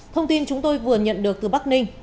thông tin chúng tôi vừa nhận được từ bắc ninh